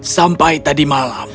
sampai tadi malam